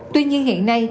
tuy nhiên hiện nay